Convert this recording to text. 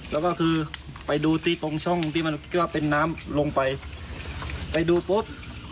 แล้วก็คือไปดูที่ตรงช่องที่มันคิดว่าเป็นน้ำลงไปไปดูปุ๊บ